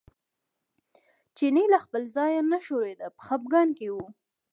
چینی له خپل ځایه نه ښورېده په خپګان کې و.